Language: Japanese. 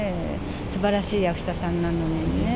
すばらしい役者さんなのにね。